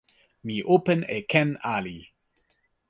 mi open e ken ali.